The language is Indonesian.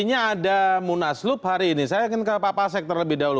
bagaimana pak ini tetap berjalan pak